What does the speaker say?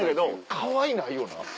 かわいないよな。